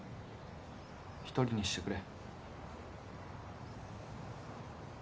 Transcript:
一人にしてくれ。